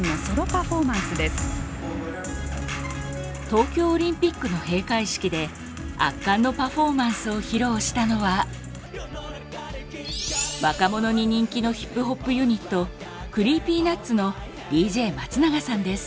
東京オリンピックの閉会式で圧巻のパフォーマンスを披露したのは若者に人気のヒップホップユニットＣｒｅｅｐｙＮｕｔｓのＤＪ松永さんです。